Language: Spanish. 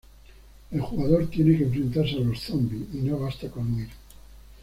El jugador tiene que enfrentarse a los zombis y no basta con huir.